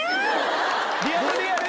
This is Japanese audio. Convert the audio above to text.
リアルリアル！